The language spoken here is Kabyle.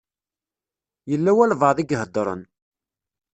Yella walebɛaḍ i iheddṛen.